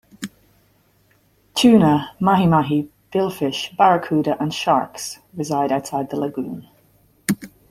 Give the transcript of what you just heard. Tuna, mahi-mahi, billfish, barracuda and sharks reside outside the lagoon.